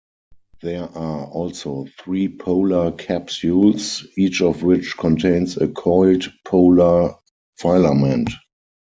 There are also three polar capsules, each of which contains a coiled polar filament.